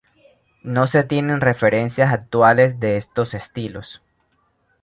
No se tienen referencias actuales de estos estilos.